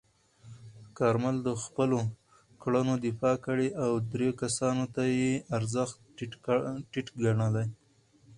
کارمل د خپلو کړنو دفاع کړې او درې کسانو ته یې ارزښت ټیټ ګڼلی.